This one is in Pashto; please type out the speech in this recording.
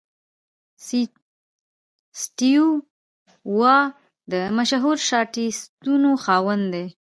سټیو وا د مشهور شاټسونو خاوند دئ.